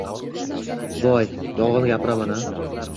Voy, yolg‘on gapiramanma